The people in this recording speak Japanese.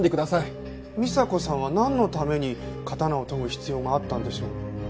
美沙子さんはなんのために刀を研ぐ必要があったんでしょう？